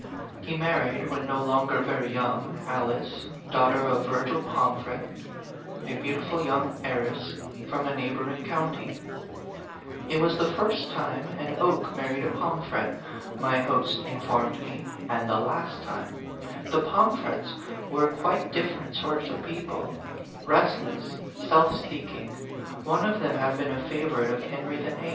He married, when no longer very young, Alice, daughter of Virgil Pomfret, a beautiful young heiress from a neighboring county. "It was the first time an Oke mar 44 A PHANTOM LOVER. ried a Pomfret," my host informed me, " and the last time. The Pom frets were quite dif ferent sort of people restless, self seeking ; one of them had been a favorite of Henry VIII."